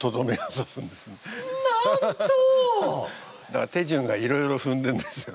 だから手順がいろいろふんでるんですよ。